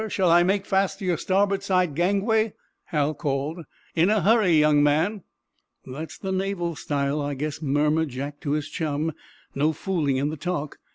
Shall I make fast to your starboard side gangway?" Hal called. "In a hurry, young man!" "That's the naval style, I guess," murmured Jack to his chum. "No fooling in the talk.